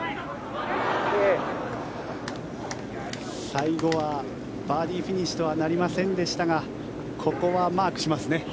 最後はバーディーフィニッシュとはなりませんでしたがここはマークしますね。